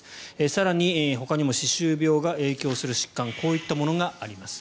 更に、ほかにも歯周病が影響する疾患はこういったものがあります。